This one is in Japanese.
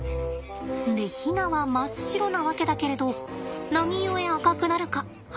でヒナは真っ白なわけだけれど何故赤くなるか甚だ疑問だよね。